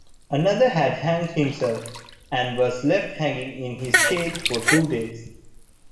Another had hanged himself, and was left hanging in his cage for two days.